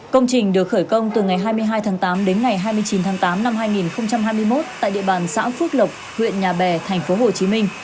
công trình được khởi công từ ngày hai mươi hai tháng tám đến ngày hai mươi chín tháng tám năm hai nghìn hai mươi một tại địa bàn xã phước lộc huyện nhà bè tp hcm